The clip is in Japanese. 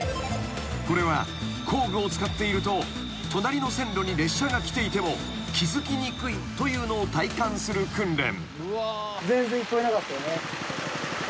［これは工具を使っていると隣の線路に列車が来ていても気付きにくいというのを体感する訓練］